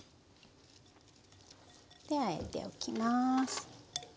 あえておきます。